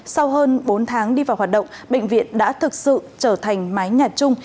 sau hơn bốn tháng đi vào hoạt động bệnh viện đã thực sự trở thành mái nhà chung